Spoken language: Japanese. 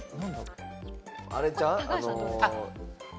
あれちゃう？